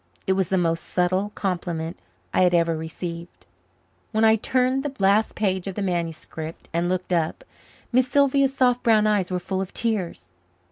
It was the most subtle compliment I had ever received. When I turned the last page of the manuscript and looked up, Miss Sylvia's soft brown eyes were full of tears.